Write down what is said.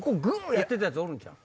やってたヤツおるんちゃう？